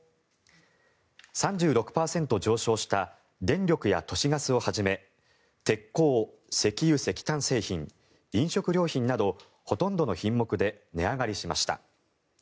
３６％上昇した電力や都市ガスをはじめ鉄鋼、石油・石炭製品飲食料品などほとんどの品目で値上がりしました。